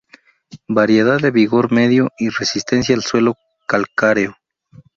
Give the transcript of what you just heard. Variedad de vigor medio y resistencia al suelo calcáreo.